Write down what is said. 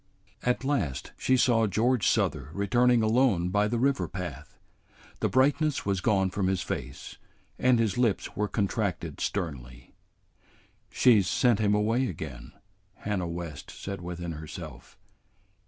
At last she saw George Souther returning alone by the river path. The brightness was gone from his face, and his lips were contracted sternly. "She 's sent him away again," Hannah West said within herself.